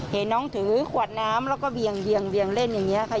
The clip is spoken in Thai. เห็นน้องถือขวดน้ำแล้วก็เวียงเล่นอย่างนี้ค่ะ